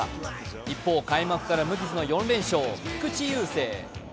一方、開幕から無傷の４連勝菊池雄星。